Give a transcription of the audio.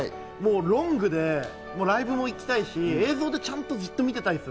ロングでライブも行きたいし、映像でじっと見てたい。